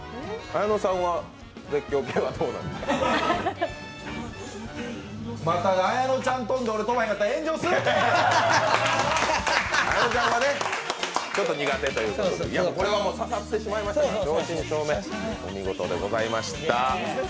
綾音ちゃんはちょっと苦手ということですがでもこれは刺さってしまいましたから、正真正銘、お見事でございました。